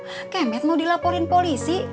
akemet mau dilaporin polisi